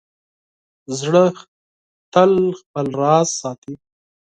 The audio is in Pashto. زړه تل خپل راز ساتي.